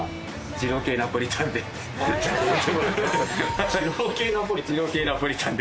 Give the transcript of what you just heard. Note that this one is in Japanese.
二郎系ナポリタンで。